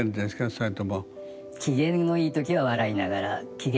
それとも。